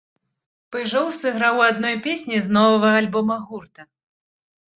Пыжоў сыграў у адной песні з новага альбома гурта.